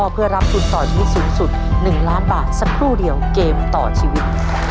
เพื่อรับทุนต่อชีวิตสูงสุด๑ล้านบาทสักครู่เดียวเกมต่อชีวิต